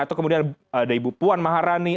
atau kemudian ada ibu puan maharani